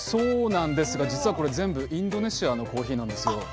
実はこれ全部インドネシアのコーヒーなんです。